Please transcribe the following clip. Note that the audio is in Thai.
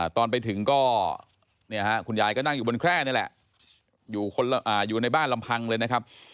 ตอนไปถึงก็คุณยายก็นั่งอยู่บนแคร่นี่แหละอยู่ในบ้านลำพังเลยนะครับ